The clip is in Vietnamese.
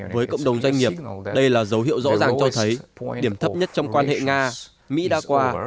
với cộng đồng doanh nghiệp đây là dấu hiệu rõ ràng cho thấy điểm thấp nhất trong quan hệ nga mỹ đã qua